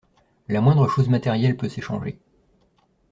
La moindre chose matérielle peut s’échanger.